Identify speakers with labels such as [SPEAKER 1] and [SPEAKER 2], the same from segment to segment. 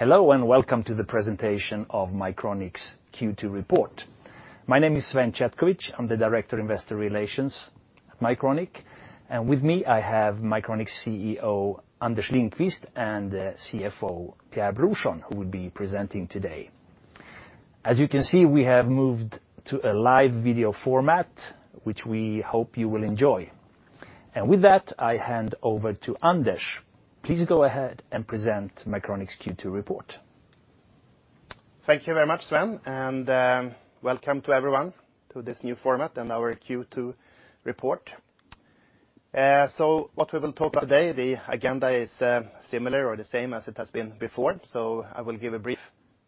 [SPEAKER 1] Hello and welcome to the presentation of Mycronic's Q2 report. My name is Sven Chetkovich. I'm the Director of Investor Relations at Mycronic, and with me I have Mycronic's CEO Anders Lindqvist and CFO Pierre Brorsson, who will be presenting today. As you can see, we have moved to a live video format, which we hope you will enjoy. And with that, I hand over to Anders. Please go ahead and present Mycronic's Q2 report.
[SPEAKER 2] Thank you very much, Sven, and welcome to everyone to this new format and our Q2 report. So what we will talk about today, the agenda is similar or the same as it has been before. So I will give a brief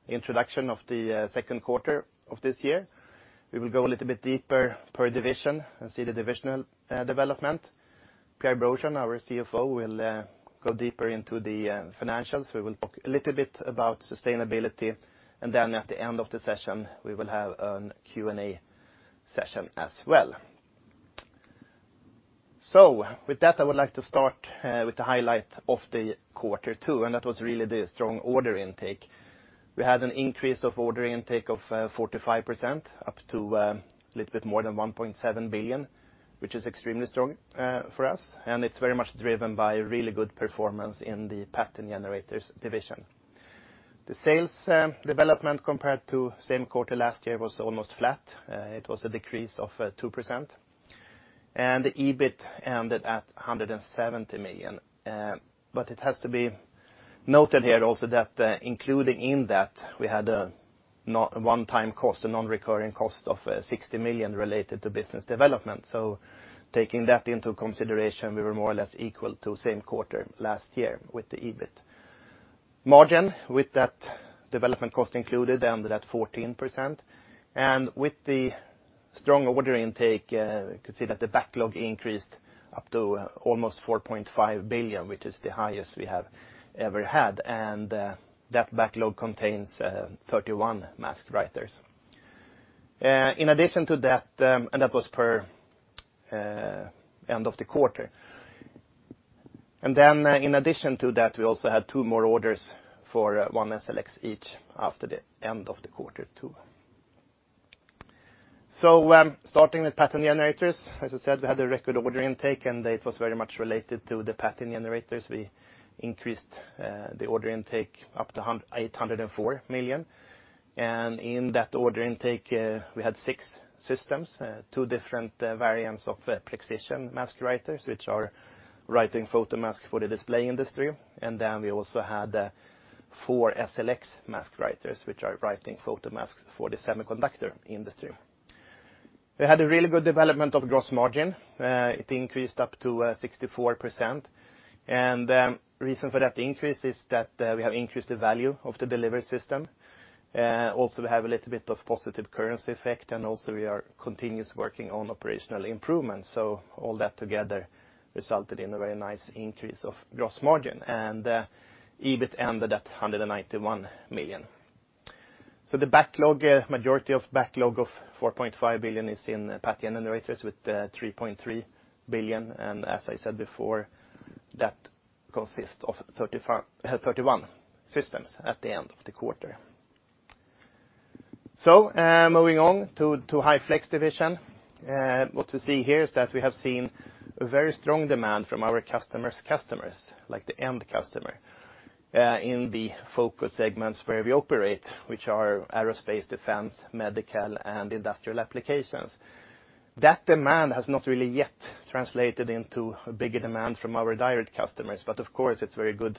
[SPEAKER 2] introduction of the second quarter of this year. We will go a little bit deeper per division and see the divisional development. Pierre Brorsson, our CFO, will go deeper into the financials. We will talk a little bit about sustainability, and then at the end of the session, we will have a Q&A session as well. So with that, I would like to start with the highlight of the quarter two, and that was really the strong order intake. We had an increase of order intake of 45%, up to a little bit more than 1.7 billion, which is extremely strong for us, and it's very much driven by really good performance in the Pattern Generators division. The sales development compared to the same quarter last year was almost flat. It was a decrease of 2%, and the EBIT ended at 170 million, but it has to be noted here also that including in that we had a one-time cost, a non-recurring cost of 60 million related to business development, so taking that into consideration, we were more or less equal to the same quarter last year with the EBIT. Margin with that development cost included ended at 14%, and with the strong order intake, you could see that the backlog increased up to almost 4.5 billion, which is the highest we have ever had, and that backlog contains 31 mask writers. In addition to that, and that was per end of the quarter. Then in addition to that, we also had two more orders for one SLX each after the end of the quarter too. Starting with pattern generators, as I said, we had a record order intake, and it was very much related to the pattern generators. We increased the order intake up to 804 million, and in that order intake, we had six systems, two different variants of precision mask writers, which are writing photomasks for the display industry, and then we also had four SLX mask writers, which are writing photomasks for the semiconductor industry. We had a really good development of gross margin. It increased up to 64%, and the reason for that increase is that we have increased the value of the delivery system. Also, we have a little bit of positive currency effect, and also we are continuously working on operational improvements. So all that together resulted in a very nice increase of gross margin, and EBIT ended at 191 million. So the backlog, majority of backlog of 4.5 billion is in pattern generators with 3.3 billion, and as I said before, that consists of 31 systems at the end of the quarter. So moving on to the High Flex division, what we see here is that we have seen a very strong demand from our customers' customers, like the end customer, in the focus segments where we operate, which are aerospace, defense, medical, and industrial applications. That demand has not really yet translated into a bigger demand from our direct customers, but of course it's very good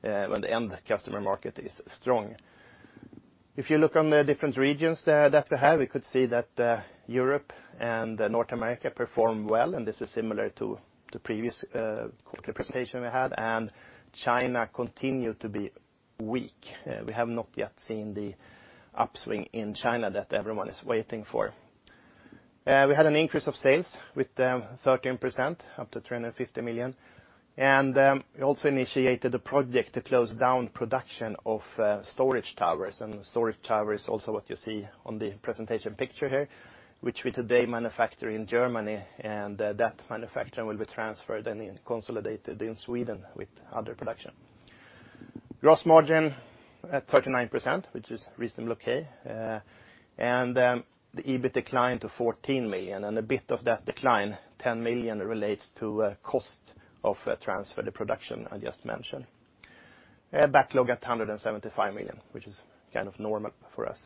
[SPEAKER 2] when the end customer market is strong. If you look on the different regions that we have, we could see that Europe and North America performed well, and this is similar to the previous quarter presentation we had, and China continued to be weak. We have not yet seen the upswing in China that everyone is waiting for. We had an increase of sales with 13% up to 350 million, and we also initiated a project to close down production of storage towers, and storage towers is also what you see on the presentation picture here, which we today manufacture in Germany, and that manufacturing will be transferred and consolidated in Sweden with other production. Gross margin at 39%, which is reasonably okay, and the EBIT declined to 14 million, and a bit of that decline, 10 million, relates to a cost of transferred production I just mentioned. Backlog at 175 million, which is kind of normal for us.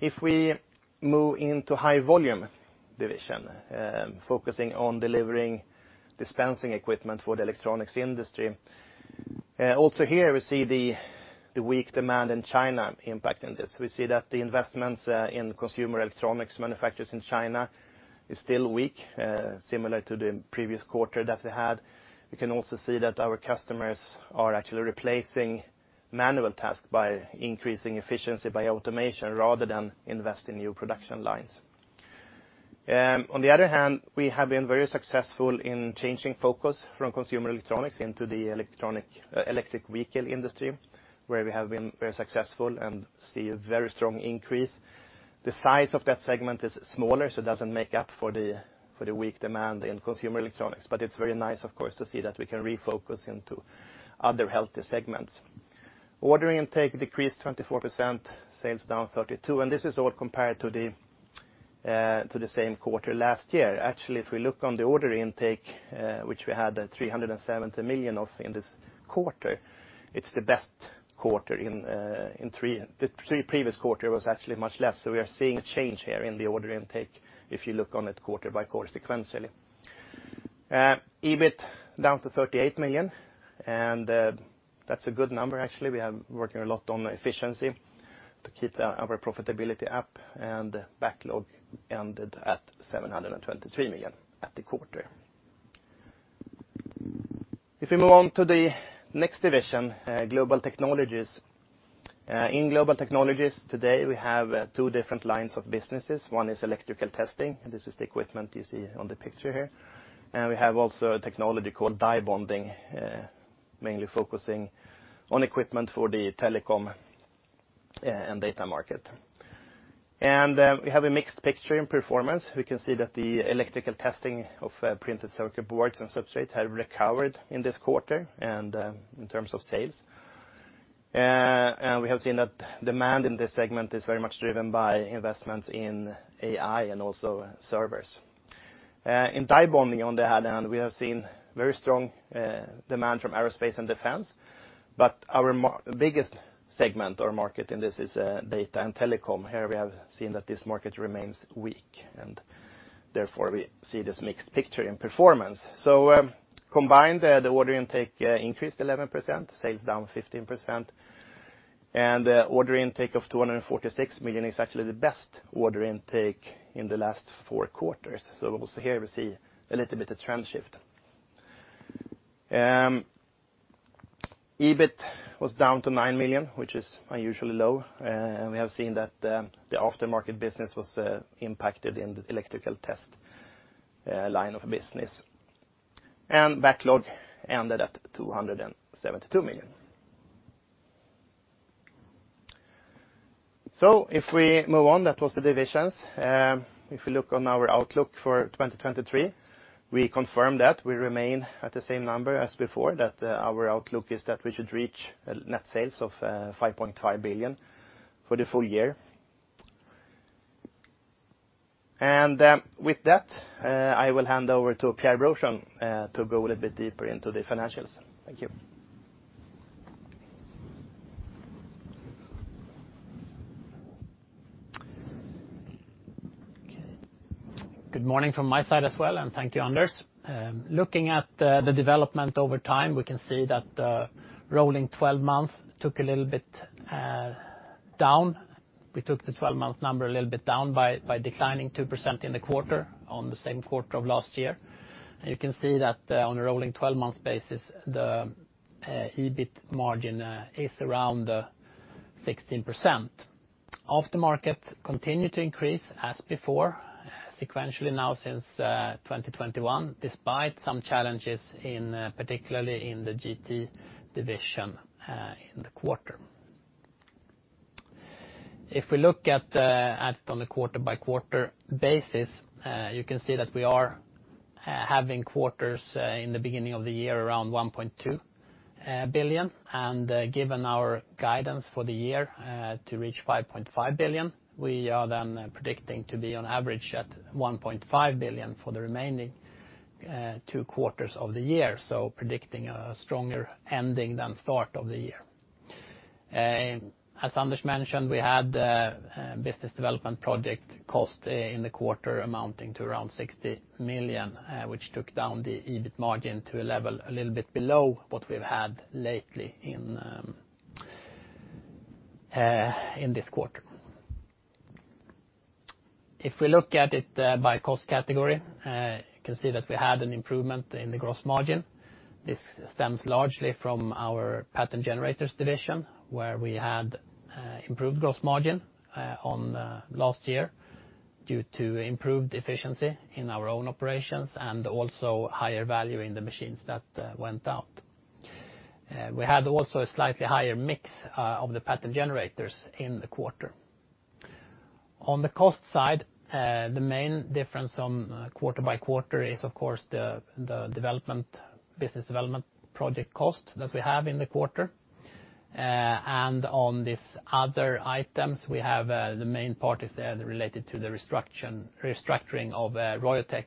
[SPEAKER 2] If we move into High Volume division, focusing on delivering dispensing equipment for the electronics industry, also here we see the weak demand in China impacting this. We see that the investments in consumer electronics manufacturers in China are still weak, similar to the previous quarter that we had. We can also see that our customers are actually replacing manual tasks by increasing efficiency by automation rather than investing in new production lines. On the other hand, we have been very successful in changing focus from consumer electronics into the electric vehicle industry, where we have been very successful and see a very strong increase. The size of that segment is smaller, so it doesn't make up for the weak demand in consumer electronics, but it's very nice, of course, to see that we can refocus into other healthy segments. Order intake decreased 24%, sales down 32%, and this is all compared to the same quarter last year. Actually, if we look on the order intake, which we had 370 million of in this quarter, it's the best quarter in three previous quarters. It was actually much less. So we are seeing a change here in the order intake if you look on it quarter by quarter sequentially. EBIT down to 38 million, and that's a good number actually. We are working a lot on efficiency to keep our profitability up, and backlog ended at 723 million at the quarter. If we move on to the next division, Global Technologies. In Global Technologies today, we have two different lines of businesses. One is electrical testing, and this is the equipment you see on the picture here, and we have also a technology called die bonding, mainly focusing on equipment for the telecom and data market, and we have a mixed picture in performance. We can see that the electrical testing of printed circuit boards and substrates has recovered in this quarter in terms of sales. And we have seen that demand in this segment is very much driven by investments in AEi and also servers. In die bonding on the other hand, we have seen very strong demand from aerospace and defense, but our biggest segment or market in this is data and telecom. Here we have seen that this market remains weak, and therefore we see this mixed picture in performance. So combined, the order intake increased 11%, sales down 15%, and the order intake of 246 million is actually the best order intake in the last four quarters. So also here we see a little bit of trend shift. EBIT was down to 9 million, which is unusually low. We have seen that the aftermarket business was impacted in the electrical test line of business, and backlog ended at 272 million. So if we move on, that was the divisions. If we look on our outlook for 2023, we confirm that we remain at the same number as before, that our outlook is that we should reach net sales of 5.5 billion for the full year. And with that, I will hand over to Pierre Brorsson to go a little bit deeper into the financials. Thank you.
[SPEAKER 3] Good morning from my side as well, and thank you, Anders. Looking at the development over time, we can see that rolling 12 months took a little bit down. We took the 12-month number a little bit down by declining 2% in the quarter on the same quarter of last year. You can see that on a rolling 12-month basis, the EBIT margin is around 16%. Aftermarket continued to increase as before, sequentially now since 2021, despite some challenges, particularly in the GT division in the quarter. If we look at it on a quarter-by-quarter basis, you can see that we are having quarters in the beginning of the year around 1.2 billion, and given our guidance for the year to reach 5.5 billion, we are then predicting to be on average at 1.5 billion for the remaining two quarters of the year, so predicting a stronger ending than start of the year. As Anders mentioned, we had a business development project cost in the quarter amounting to around 60 million, which took down the EBIT margin to a level a little bit below what we've had lately in this quarter. If we look at it by cost category, you can see that we had an improvement in the gross margin. This stems largely from our Pattern Generators division, where we had improved gross margin last year due to improved efficiency in our own operations and also higher value in the machines that went out. We had also a slightly higher mix of the Pattern Generators in the quarter. On the cost side, the main difference on quarter by quarter is, of course, the business development project cost that we have in the quarter, and on these other items, we have the main parties that are related to the restructuring of Royonic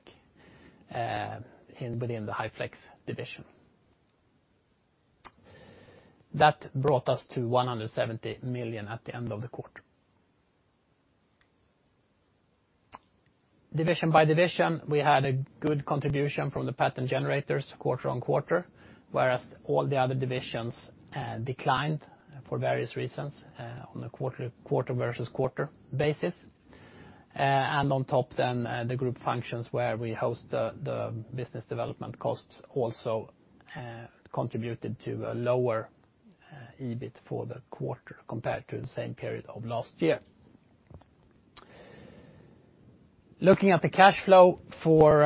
[SPEAKER 3] within the High Flex division. That brought us to 170 million at the end of the quarter. Division by division, we had a good contribution from the Pattern Generators quarter on quarter, whereas all the other divisions declined for various reasons on a quarter versus quarter basis. And on top, then the group functions where we host the business development costs also contributed to a lower EBIT for the quarter compared to the same period of last year. Looking at the cash flow for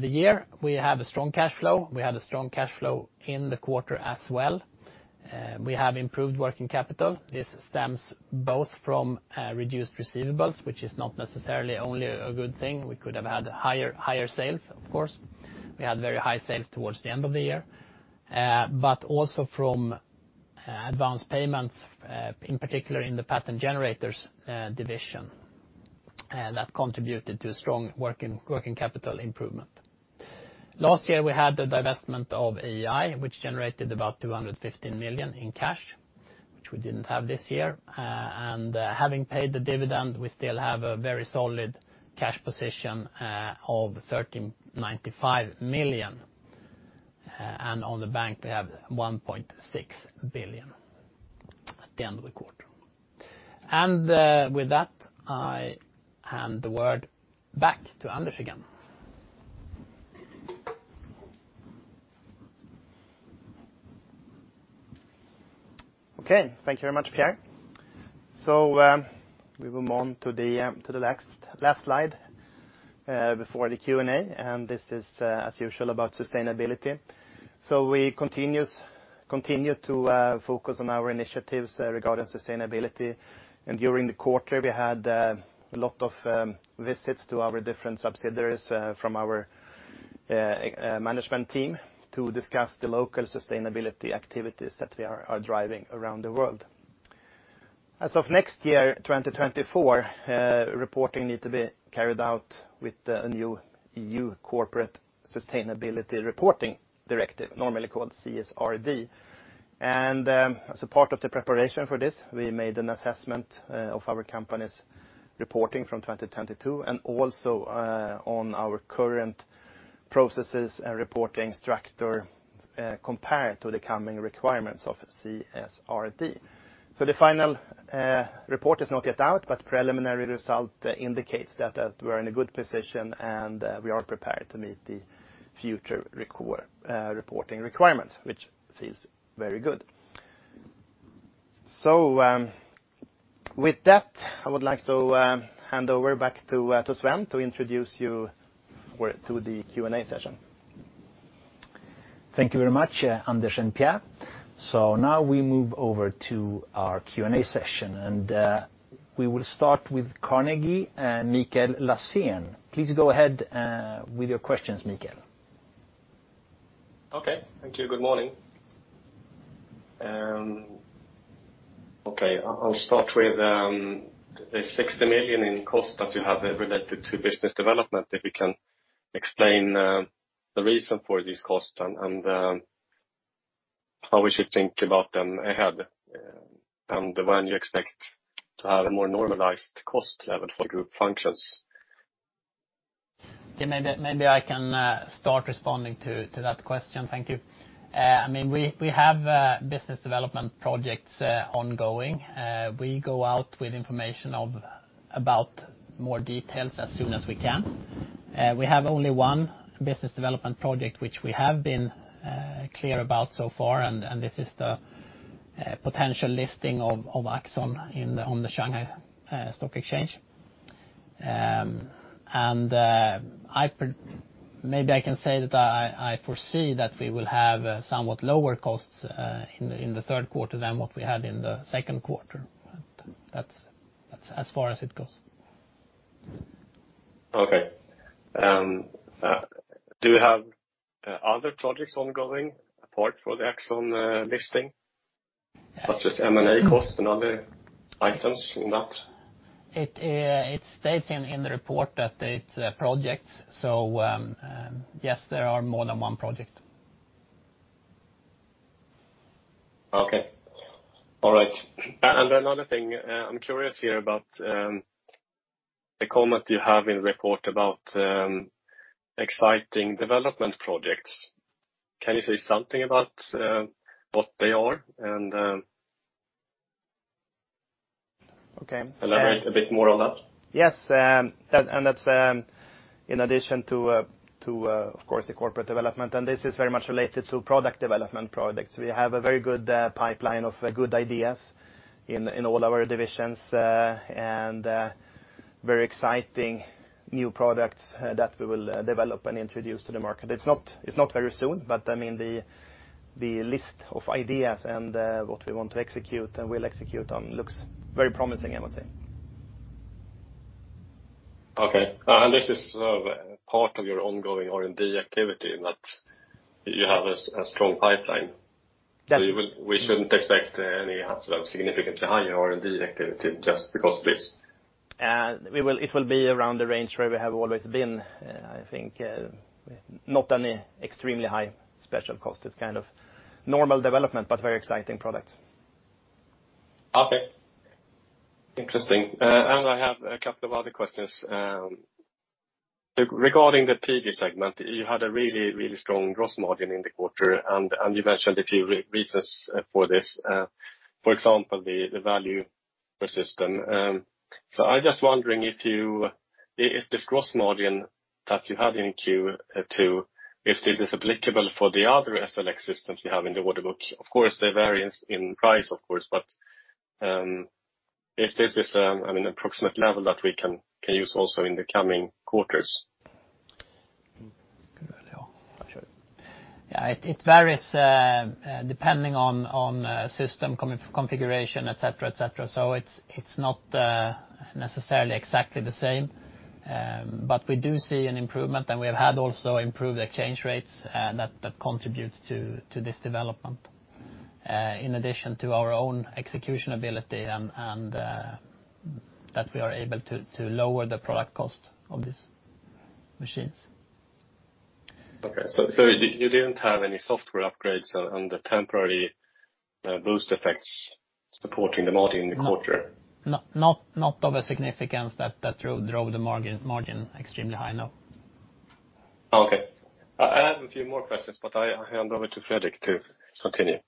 [SPEAKER 3] the year, we have a strong cash flow. We had a strong cash flow in the quarter as well. We have improved working capital. This stems both from reduced receivables, which is not necessarily only a good thing. We could have had higher sales, of course. We had very high sales towards the end of the year, but also from advance payments, in particular in the Pattern Generators division, that contributed to strong working capital improvement. Last year, we had the divestment of AEi, which generated about 215 million in cash, which we didn't have this year. Having paid the dividend, we still have a very solid cash position of 3,095 million, and on the bank, we have 1.6 billion at the end of the quarter. With that, I hand the word back to Anders again.
[SPEAKER 2] Okay, thank you very much, Pierre. So we will move on to the next slide before the Q&A, and this is, as usual, about sustainability. So we continue to focus on our initiatives regarding sustainability. And during the quarter, we had a lot of visits to our different subsidiaries from our management team to discuss the local sustainability activities that we are driving around the world. As of next year, 2024, reporting needs to be carried out with a new EU corporate sustainability reporting directive, normally called CSRD. And as a part of the preparation for this, we made an assessment of our company's reporting from 2022 and also on our current processes and reporting structure compared to the coming requirements of CSRD. So the final report is not yet out, but preliminary result indicates that we are in a good position and we are prepared to meet the future reporting requirements, which feels very good. So with that, I would like to hand over back to Sven to introduce you to the Q&A session.
[SPEAKER 1] Thank you very much, Anders and Pierre. So now we move over to our Q&A session, and we will start with Carnegie and Mikael Laséen. Please go ahead with your questions, Mikael.
[SPEAKER 4] Okay, thank you. Good morning. Okay, I'll start with the 60 million in cost that you have related to business development, if you can explain the reason for these costs and how we should think about them ahead and when you expect to have a more normalized cost level for group functions?
[SPEAKER 3] Yeah, maybe I can start responding to that question. Thank you. I mean, we have business development projects ongoing. We go out with information about more details as soon as we can. We have only one business development project which we have been clear about so far, and this is the potential listing of Axxon on the Shanghai Stock Exchange. And maybe I can say that I foresee that we will have somewhat lower costs in the third quarter than what we had in the second quarter. That's as far as it goes.
[SPEAKER 4] Okay. Do you have other projects ongoing apart from the Axxon listing? Not just M&A costs and other items in that?
[SPEAKER 3] It states in the report that it's projects, so yes, there are more than one project.
[SPEAKER 4] Okay. All right. And another thing, I'm curious here about the comment you have in the report about exciting development projects. Can you say something about what they are and elaborate a bit more on that?
[SPEAKER 3] Yes. And that's in addition to, of course, the corporate development. And this is very much related to product development projects. We have a very good pipeline of good ideas in all our divisions and very exciting new products that we will develop and introduce to the market. It's not very soon, but I mean, the list of ideas and what we want to execute and will execute on looks very promising, I would say.
[SPEAKER 4] Okay, and this is part of your ongoing R&D activity that you have a strong pipeline, so we shouldn't expect any sort of significantly higher R&D activity just because of this.
[SPEAKER 3] It will be around the range where we have always been. I think not any extremely high special cost. It's kind of normal development, but very exciting products.
[SPEAKER 4] Okay. Interesting. And I have a couple of other questions. Regarding the previous segment, you had a really, really strong gross margin in the quarter, and you mentioned a few reasons for this. For example, the value system. So I'm just wondering if this gross margin that you had in Q2, if this is applicable for the other SLX systems we have in the order book. Of course, they vary in price, of course, but if this is an approximate level that we can use also in the coming quarters?
[SPEAKER 3] Yeah, it varies depending on system configuration, etc., etc. So it's not necessarily exactly the same, but we do see an improvement, and we have had also improved exchange rates that contribute to this development in addition to our own execution ability and that we are able to lower the product cost of these machines.
[SPEAKER 4] Okay. So you didn't have any software upgrades on the temporary boost effects supporting the margin in the quarter?
[SPEAKER 3] Not of a significance that drove the margin extremely high, no.
[SPEAKER 4] Okay. I have a few more questions, but I hand over to Fredrik to continue.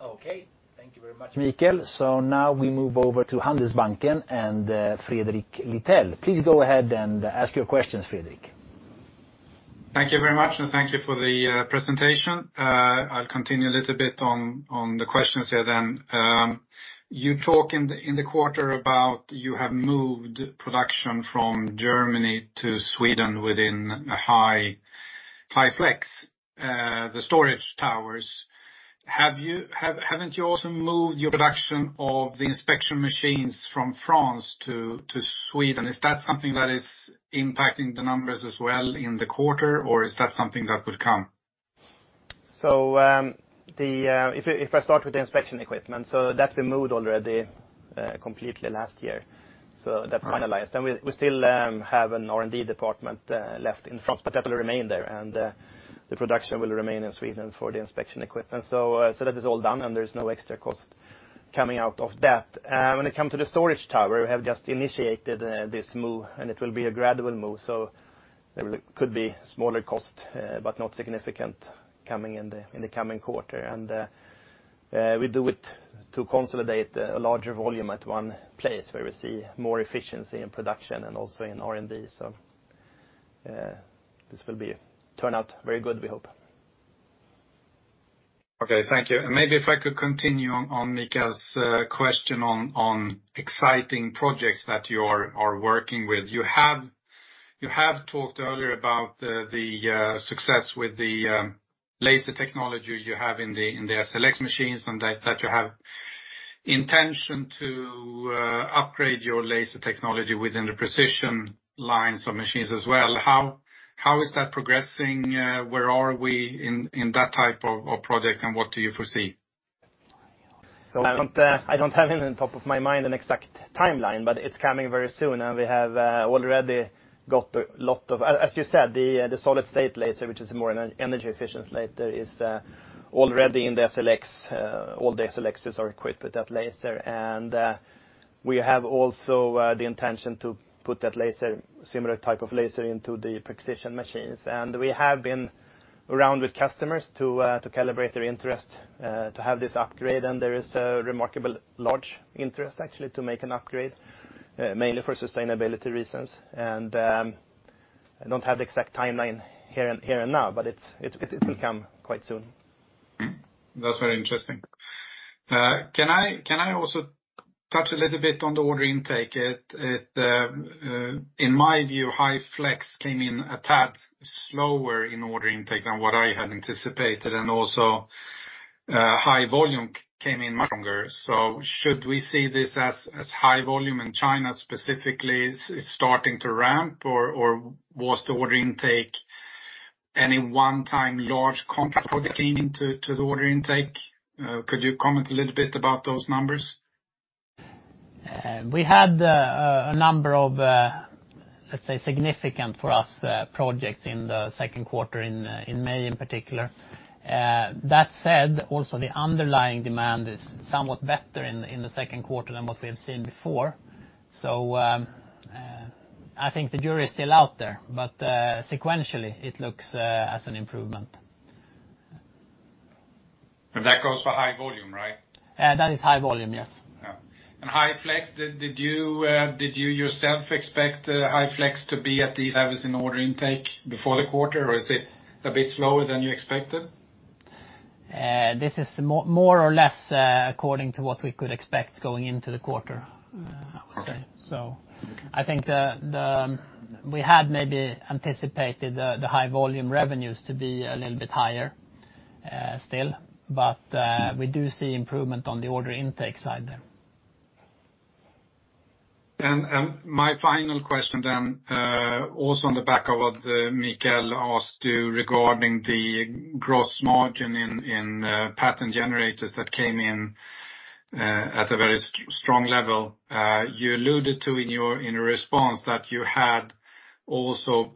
[SPEAKER 1] Okay. Thank you very much, Mikael. So now we move over to Handelsbanken and Fredrik Lithell. Please go ahead and ask your questions, Fredrik.
[SPEAKER 5] Thank you very much, and thank you for the presentation. I'll continue a little bit on the questions here then. You talk in the quarter about you have moved production from Germany to Sweden within High Flex, the storage towers. Haven't you also moved your production of the inspection machines from France to Sweden? Is that something that is impacting the numbers as well in the quarter, or is that something that would come?
[SPEAKER 3] So if I start with the inspection equipment, so that we moved already completely last year. So that's finalized. And we still have an R&D department left in France, but that will remain there, and the production will remain in Sweden for the inspection equipment. So that is all done, and there is no extra cost coming out of that. When it comes to the storage tower, we have just initiated this move, and it will be a gradual move. So there could be smaller costs, but not significant coming in the coming quarter. And we do it to consolidate a larger volume at one place where we see more efficiency in production and also in R&D. So this will turn out very good, we hope.
[SPEAKER 5] Okay, thank you. And maybe if I could continue on Mikael's question on exciting projects that you are working with. You have talked earlier about the success with the laser technology you have in the SLX machines and that you have intention to upgrade your laser technology within the precision lines of machines as well. How is that progressing? Where are we in that type of project, and what do you foresee?
[SPEAKER 3] So, I don't have it on top of my mind, an exact timeline, but it's coming very soon, and we have already got a lot of, as you said, the solid-state laser, which is more energy-efficient laser, is already in the SLX. All the SLXs are equipped with that laser. And we have also the intention to put that laser, similar type of laser, into the precision machines. And we have been around with customers to calibrate their interest to have this upgrade. And there is a remarkably large interest, actually, to make an upgrade, mainly for sustainability reasons. And I don't have the exact timeline here and now, but it will come quite soon.
[SPEAKER 5] That's very interesting. Can I also touch a little bit on the order intake? In my view, High Flex came in a tad slower in order intake than what I had anticipated, and also High Volume came in much lower. So should we see this as High Volume in China specifically starting to ramp, or was the order intake any one-time large contract for the cleaning to the order intake? Could you comment a little bit about those numbers?
[SPEAKER 3] We had a number of, let's say, significant for us projects in the second quarter in May in particular. That said, also the underlying demand is somewhat better in the second quarter than what we have seen before. So I think the jury is still out there, but sequentially, it looks as an improvement.
[SPEAKER 4] And that goes for High Volume, right?
[SPEAKER 3] That is high volume, yes.
[SPEAKER 5] High Flex, did you yourself expect High Flex to be at these levels in order intake before the quarter, or is it a bit slower than you expected?
[SPEAKER 3] This is more or less according to what we could expect going into the quarter, I would say. So I think we had maybe anticipated the high volume revenues to be a little bit higher still, but we do see improvement on the order intake side there.
[SPEAKER 5] And my final question then, also on the back of what Mikael asked you regarding the gross margin in pattern generators that came in at a very strong level. You alluded to in your response that you had also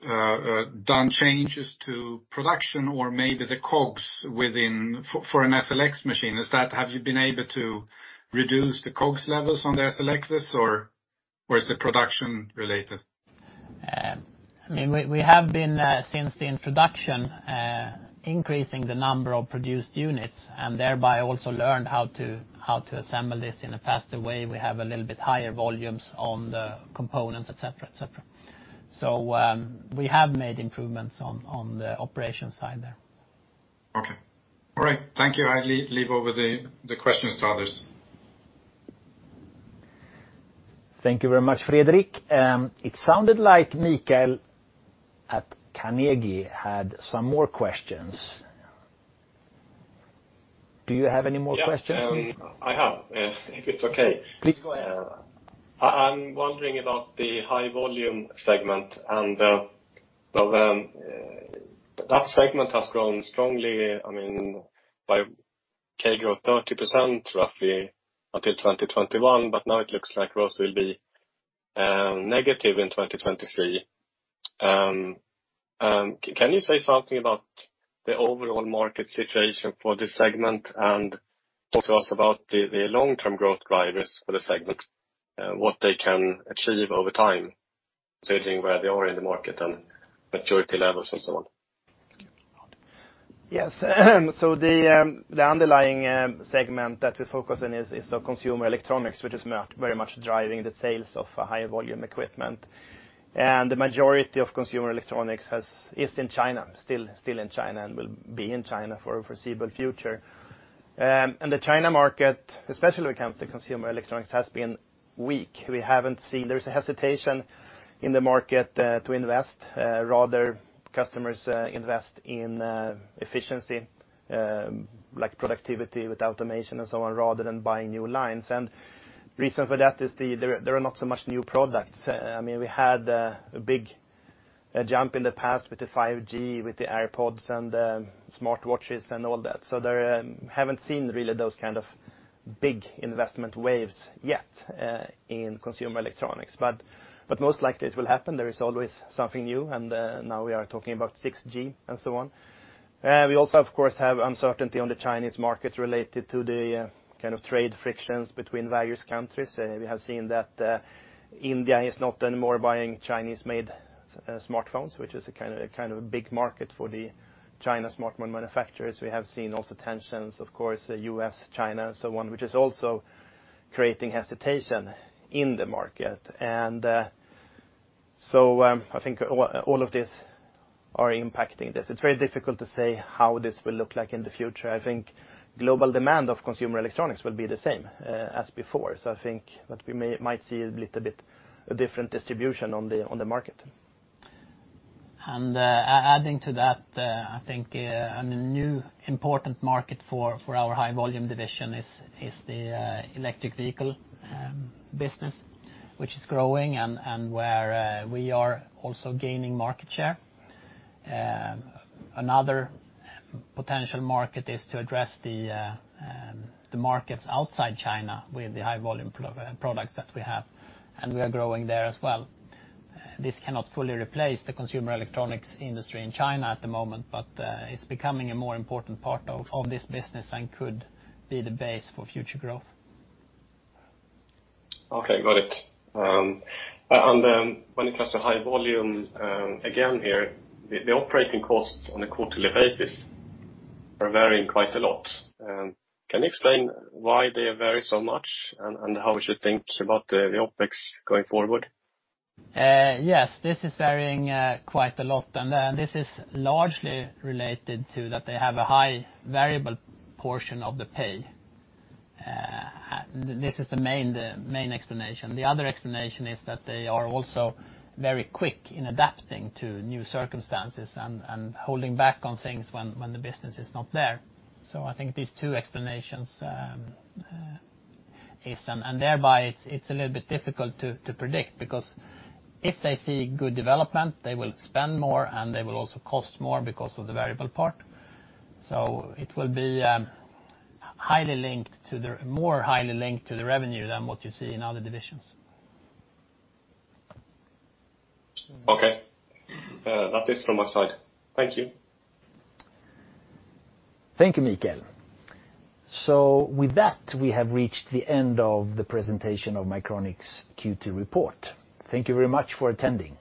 [SPEAKER 5] done changes to production or maybe the COGS within for an SLX machine. Have you been able to reduce the COGS levels on the SLXs, or is it production-related?
[SPEAKER 3] I mean, we have been, since the introduction, increasing the number of produced units and thereby also learned how to assemble this in a faster way. We have a little bit higher volumes on the components, etc., etc. So we have made improvements on the operation side there.
[SPEAKER 5] Okay. All right. Thank you. I'll hand over the questions to others.
[SPEAKER 1] Thank you very much, Fredrik. It sounded like Mikael at Carnegie had some more questions. Do you have any more questions?
[SPEAKER 6] I have, if it's okay.
[SPEAKER 3] Please go ahead.
[SPEAKER 6] I'm wondering about the High Volume segment, and that segment has grown strongly, I mean, by CAGR of 30% roughly until 2021, but now it looks like growth will be negative in 2023. Can you say something about the overall market situation for this segment and also about the long-term growth drivers for the segment, what they can achieve over time, considering where they are in the market and maturity levels and so on?
[SPEAKER 3] Yes. So the underlying segment that we focus on is consumer electronics, which is very much driving the sales of high-volume equipment. And the majority of consumer electronics is in China, still in China, and will be in China for the foreseeable future. And the China market, especially when it comes to consumer electronics, has been weak. There is a hesitation in the market to invest. Rather, customers invest in efficiency, like productivity with automation and so on, rather than buying new lines. And the reason for that is there are not so much new products. I mean, we had a big jump in the past with the 5G, with the AirPods and the smartwatches and all that. So I haven't seen really those kind of big investment waves yet in consumer electronics. But most likely, it will happen. There is always something new, and now we are talking about 6G and so on. We also, of course, have uncertainty on the Chinese market related to the kind of trade frictions between various countries. We have seen that India is not anymore buying Chinese-made smartphones, which is a kind of big market for the China smartphone manufacturers. We have seen also tensions, of course, U.S., China, and so on, which is also creating hesitation in the market. And so I think all of this is impacting this. It's very difficult to say how this will look like in the future. I think global demand of consumer electronics will be the same as before. So I think that we might see a little bit different distribution on the market.
[SPEAKER 2] And adding to that, I think a new important market for our high-volume division is the electric vehicle business, which is growing and where we are also gaining market share. Another potential market is to address the markets outside China with the high-volume products that we have, and we are growing there as well. This cannot fully replace the consumer electronics industry in China at the moment, but it's becoming a more important part of this business and could be the base for future growth.
[SPEAKER 4] Okay, got it. And when it comes to High Volume again here, the operating costs on a quarterly basis are varying quite a lot. Can you explain why they vary so much and how we should think about the OpEx going forward?
[SPEAKER 3] Yes, this is varying quite a lot. And this is largely related to that they have a high variable portion of the pay. This is the main explanation. The other explanation is that they are also very quick in adapting to new circumstances and holding back on things when the business is not there. So I think these two explanations is, and thereby it's a little bit difficult to predict because if they see good development, they will spend more, and they will also cost more because of the variable part. So it will be highly linked to the revenue than what you see in other divisions.
[SPEAKER 6] Okay. That is from my side. Thank you.
[SPEAKER 1] Thank you, Mikael. So with that, we have reached the end of the presentation of Mycronic's Q2 report. Thank you very much for attending.